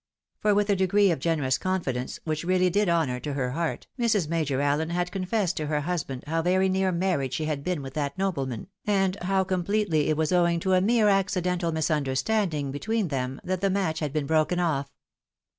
— for, with a degree of generous confidence which really did honour to her heart, Mrs. Major Allen had confessed to her husband how very near marriage she had been with that nobleman, and how completely it was owing to a mere accidental misunderstanding between them that the match had been broken off.